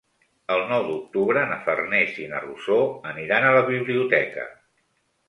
El nou d'octubre na Farners i na Rosó aniran a la biblioteca.